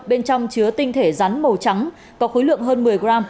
bên trong chứa tinh thể rắn màu trắng có khối lượng hơn một mươi gram